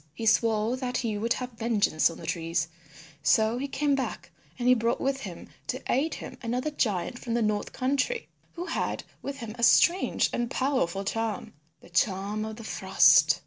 He swore that he would have vengeance on the trees. So he came back again and he brought with him to aid him another giant from the north country who had with him a strange and powerful charm, the Charm of the Frost.